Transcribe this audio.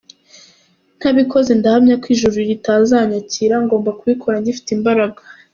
Ntabikoze ndahamya ko ijuru ritazanyakira, ngomba kubikora ngifite imbaraga.